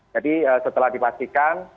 jadi setelah dipastikan